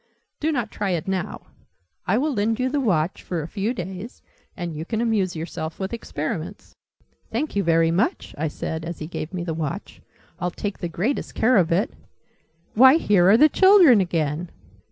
Do not try it now. I will lend you the Watch for a few days, and you can amuse yourself with experiments." "Thank you very much!" I said as he gave me the Watch. "I'll take the greatest care of it why, here are the children again!"